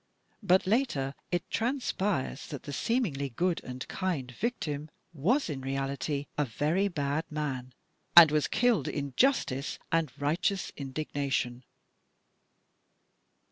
But later it transpires that the seemingly good and kind victim was in reality a very bad man, and was killed in justice and righteous indignation.